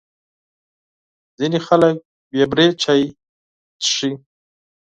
ځینې خلک بې بوري چای څښي.